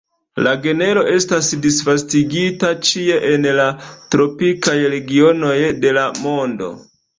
La genro estas disvastigita ĉie en la tropikaj regionoj de la mondo.